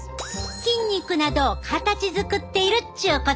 筋肉などを形作っているっちゅうこっちゃな。